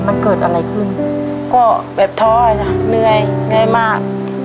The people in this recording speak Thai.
มันเกิดอะไรขึ้นก็แบบท้อจ้ะเหนื่อยเหนื่อยมาก